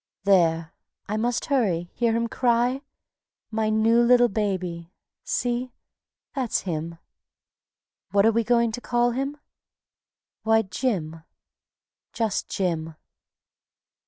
There! I must hurry ... hear him cry? My new little baby. ... See! that's him. What are we going to call him? Why, Jim, just Jim.